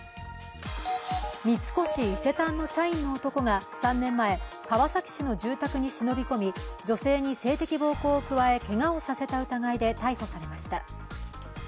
三越伊勢丹の社員の男が３年前、川崎市の住宅に忍び込み、女性に性的暴行を加え、けがをさせた疑いで逮捕されました。